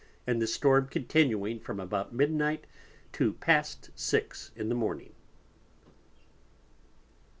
and the Storm continuing from about Midnight to past Six in the Morning.